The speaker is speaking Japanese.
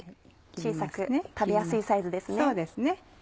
小さく食べやすいサイズですね。